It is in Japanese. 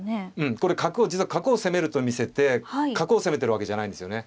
これ実は角を攻めると見せて角を攻めてるわけじゃないんですよね。